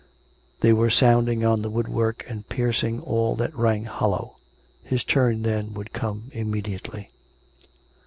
They were sounding on the woodwork and piercing all that rang hollow. ... His turn^ then^ would come immediately.